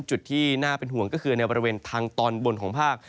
จุดที่น่าเป็นห่วงก็คือในบริเวณทางตอนบนของภาค